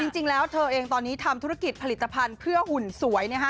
จริงแล้วเธอเองตอนนี้ทำธุรกิจผลิตภัณฑ์เพื่อหุ่นสวยนะฮะ